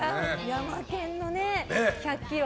ヤマケンの１００ｋｍ。